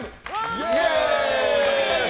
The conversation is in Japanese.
イエーイ！